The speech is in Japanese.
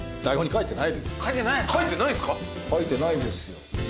書いてないですよ。